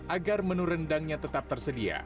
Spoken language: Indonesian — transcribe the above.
agar menu rendangnya tetap tersedia